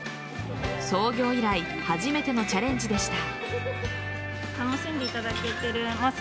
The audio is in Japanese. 創業以来初めてのチャレンジでした。